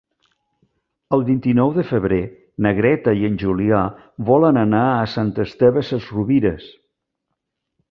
El vint-i-nou de febrer na Greta i en Julià volen anar a Sant Esteve Sesrovires.